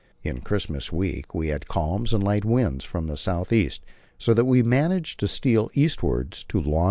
In Christmas week we had calms and light winds from the south east, so that we managed to steal eastward to long.